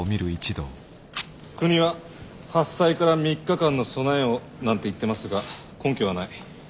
国は「発災から３日間の備えを」なんて言ってますが根拠はない。